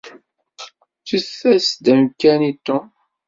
Ǧǧet-as-d amkan i Tom.